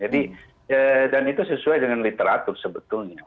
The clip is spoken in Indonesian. dan itu sesuai dengan literatur sebetulnya